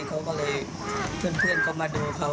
คุณพี่ลูกเลยบอกก็พื้นมาดูเขา